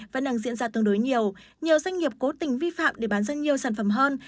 vẫn đang diễn ra tương đối nhiều nhiều doanh nghiệp cố tình vi phạm để bán ra nhiều sản phẩm hơn